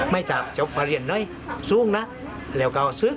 ไม่สามารถพาเรียนหน่อยสูงนะ